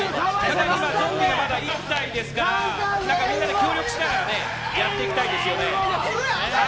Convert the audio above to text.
中にはゾンビがまだ１体ですからみんなで協力しながらやっていきたいですね。